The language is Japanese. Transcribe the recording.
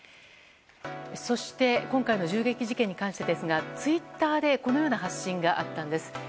そして今回の銃撃事件に関してツイッターでこのような発信があったんです。